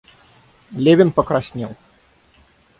Левин покраснел.